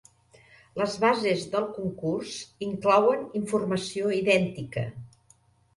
Les bases del concurs inclouen informació idèntica.